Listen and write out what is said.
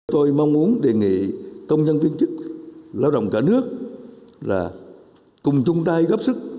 tôi mong muốn đề nghị công nhân viên chức lao động cả nước là cùng chung tay góp sức